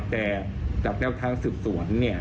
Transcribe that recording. แต่จากแนวทางสืบสวน